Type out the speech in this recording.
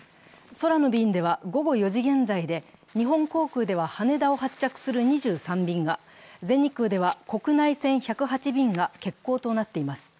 空の便では午後４時現在で日本航空では羽田を発着する２３便が、全日空では国内線１０８便が欠航となっています。